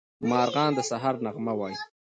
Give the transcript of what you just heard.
مارغان د سهار نغمه وايي.